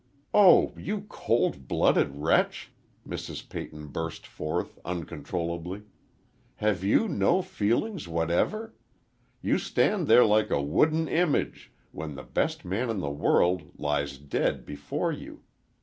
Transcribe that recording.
"Oh, you cold blooded wretch!" Mrs. Peyton burst forth, uncontrollably. "Have you no feelings whatever? You stand there like a wooden image, when the best man in the world lies dead before you!